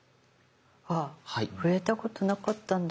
ああ触れたことなかったんだけど。